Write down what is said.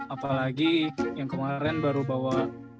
apalagi yang kemarin baru bawa